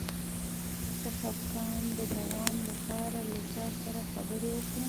د خپګان د دوام لپاره له چا سره خبرې وکړم؟